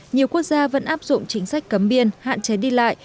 nhiều quốc gia vẫn áp dụng chính sách cấm biên hạn chế đi lại